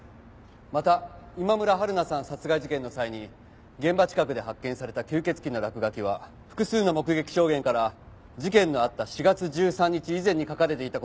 また今村春菜さん殺害事件の際に現場近くで発見された吸血鬼の落書きは複数の目撃証言から事件のあった４月１３日以前に描かれていた事が判明。